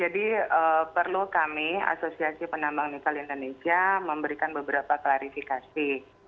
jadi perlu kami asosiasi penambang nikel indonesia memberikan beberapa klarifikasi